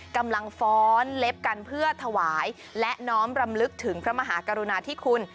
กำลังฟ้อนเล็บกันเพื่อถวายและน้อมรำลึกถึงพระมหากรุณาธิคุณ